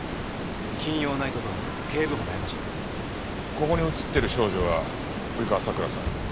ここに写ってる少女は及川さくらさん